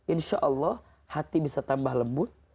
insya allah hati bisa tambah lembut